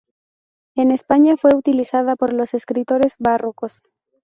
En España fue utilizada por los escritores barrocos.